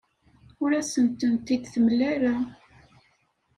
Ur asent-tent-id-temla ara.